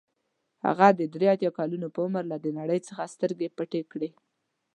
هغه د درې اتیا کلونو په عمر له دې نړۍ څخه سترګې پټې کړې.